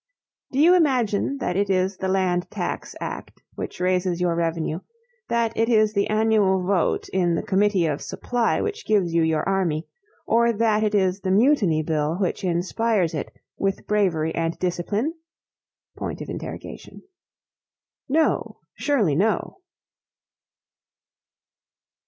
Do you imagine that it is the Land Tax Act which raises your revenue, that it is the annual vote in the Committee of Supply which gives you your army, or that it is the Mutiny Bill which inspires it with bravery and discipline? No! surely no!